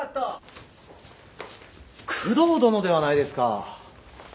工藤殿ではないですか。